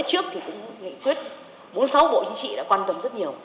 trước thì cũng nghị quyết bốn mươi sáu bộ chính trị đã quan tâm rất nhiều